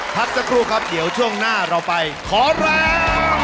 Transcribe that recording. พักเถ้าครูครับเดี๋ยวช่วงหน้าเราขอลา